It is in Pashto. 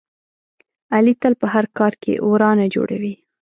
علي تل په هر کار کې ورانه جوړوي.